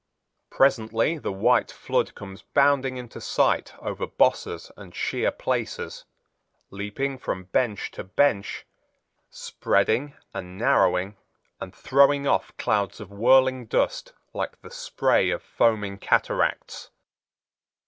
Presently the white flood comes bounding into sight over bosses and sheer places, leaping from bench to bench, spreading and narrowing and throwing off clouds of whirling dust like the spray of foaming cataracts.